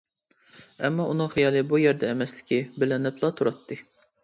ئەمما ئۇنىڭ خىيالى بۇ يەردە ئەمەسلىكى بىلىنىپلا تۇراتتى.